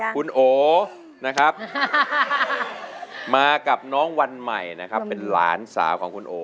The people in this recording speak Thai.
คุณโอนะครับมากับน้องวันใหม่นะครับเป็นหลานสาวของคุณโอ